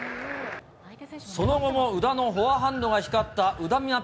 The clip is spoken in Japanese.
その後も宇田のフォアハンドが光ったうだみま